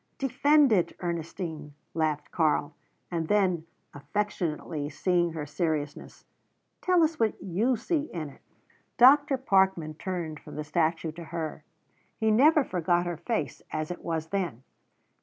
"Defend it, Ernestine," laughed Karl; and then, affectionately, seeing her seriousness, "Tell us what you see in it." Dr. Parkman turned from the statue to her. He never forgot her face as it was then.